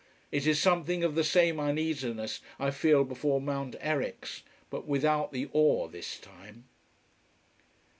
It is something of the same uneasiness I feel before Mount Eryx: but without the awe this time.